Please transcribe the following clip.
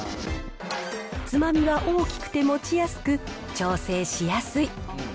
つまみは大きくて持ちやすく、調整しやすい。